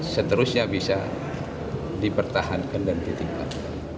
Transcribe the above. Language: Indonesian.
seterusnya bisa dipertahankan dan ditingkatkan